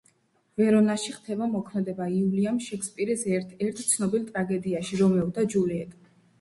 ვერონაში ხდება მოქმედება უილიამ შექსპირის ერთ-ერთ ცნობილ ტრაგედიაში რომეო და ჯულიეტა.